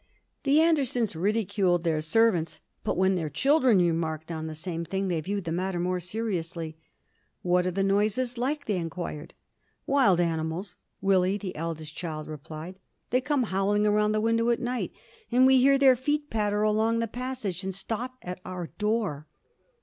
The Andersons ridiculed their servants, but when their children remarked on the same thing they viewed the matter more seriously. "What are the noises like?" they inquired. "Wild animals," Willie, the eldest child, replied. "They come howling round the window at night and we hear their feet patter along the passage and stop at our door."